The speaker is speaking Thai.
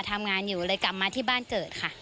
ทำงานอยู่เลยกลับมาที่บ้านเกิดค่ะ